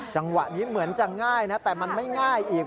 จังหวะนี้เหมือนจะง่ายนะแต่มันไม่ง่ายอีก